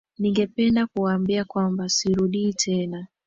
Ningependa kuwaambia kwamba sirudi tena.